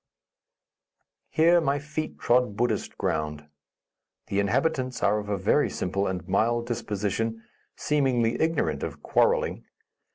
Here my feet trod Buddhist ground. The inhabitants are of a very simple and mild disposition, seemingly ignorant of "quarreling."